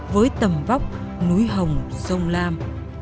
với tầm vóc núi hồng sông lam